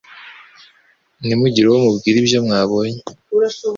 Ntimugire uwo mubwira ibyo mwabonye.